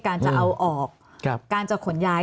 การจะเอาออกการจะขนย้าย